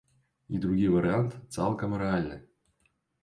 І другі варыянт цалкам рэальны.